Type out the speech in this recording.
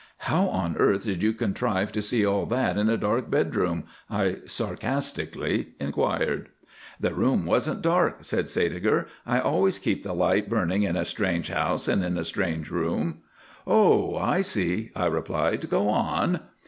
"How on earth did you contrive to see all that in a dark bedroom?" I sarcastically inquired. "The room wasn't dark," said Sædeger. "I always keep the light burning in a strange house and in a strange room." "Oh, I see," I replied. "Go on."